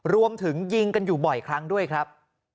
รวมถึงยิงกันอยู่บ่อยครั้งด้วยครับ